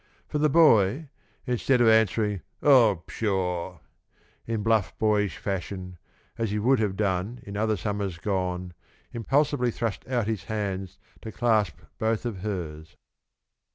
For the boy, instead of answering "Oh, pshaw!" in bluff, boyish fashion, as he would have done in other summers gone, impulsively thrust out his hands to clasp both of hers.